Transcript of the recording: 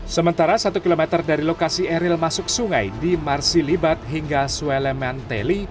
sementara satu km dari lokasi arel masuk sungai di marsilibat hingga swellen mantelli